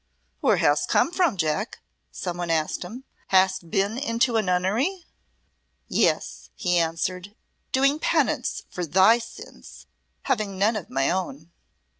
"Where hast come from, Jack?" someone asked him. "Hast been into a nunnery?" "Yes," he answered, "doing penance for thy sins, having none of my own."